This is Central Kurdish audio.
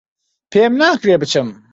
پێم ناکرێت بچم